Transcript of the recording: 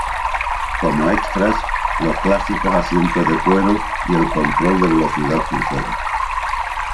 Como extras, los clásicos asientos de cuero y el control de velocidad crucero.